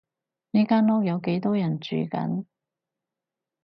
呢間屋有幾多人住緊？